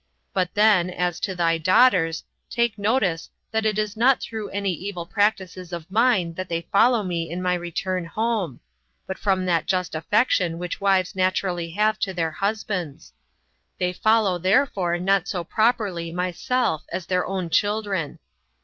But then, as to thy daughters, take notice, that it is not through any evil practices of mine that they follow me in my return home, but from that just affection which wives naturally have to their husbands. They follow therefore not so properly myself as their own children."